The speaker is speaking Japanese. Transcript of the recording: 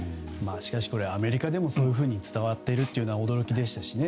しかし、アメリカでもそういうふうに伝わっているのは驚きでしたしね。